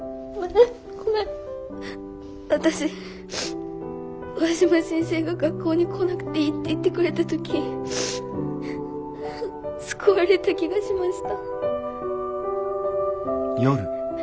私上嶋先生が学校に来なくていいって言ってくれた時救われた気がしました。